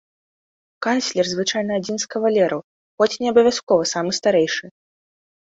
Канцлер звычайна адзін з кавалераў, хоць не абавязкова самы старэйшы.